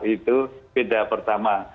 itu beda pertama